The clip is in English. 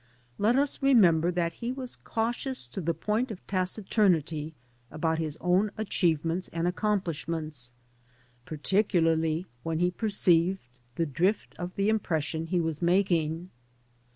Let us remember that he was cautious to the point of taciturnity about his own achievements and accomplishments, particularly when he perceived the drift of the impression he was making.